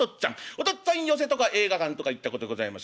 お父っつぁん寄席とか映画館とか行ったことございますか？」。